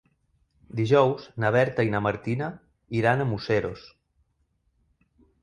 Dijous na Berta i na Martina iran a Museros.